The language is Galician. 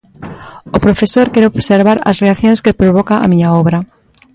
O profesor quere observar as reaccións que provoca a miña obra.